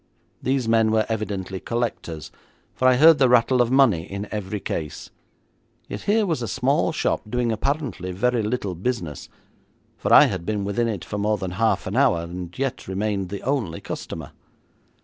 These men were evidently collectors, for I heard the rattle of money in every case; yet here was a small shop, doing apparently very little business, for I had been within it for more than half an hour, and yet remained the only customer.